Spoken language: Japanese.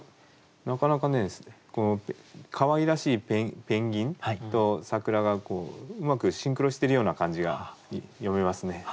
なかなかねかわいらしいペンギンと桜がうまくシンクロしてるような感じが読めますね。